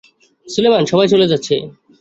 সুলেমান, সবাই চলে যাচ্ছে।